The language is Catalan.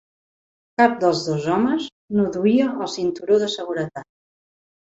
Cap dels dos homes no duia el cinturó de seguretat.